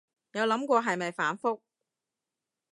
有諗過係咪反覆